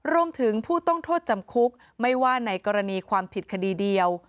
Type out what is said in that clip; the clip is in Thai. รวมถึงผู้ต้องโทษจำคุกไม่ว่าในกรณีความผิดคดีเดียว